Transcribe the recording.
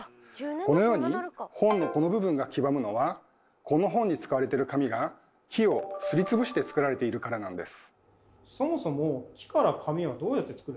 このように本のこの部分が黄ばむのはこの本に使われてる紙が木をすりつぶして作られているからなんです。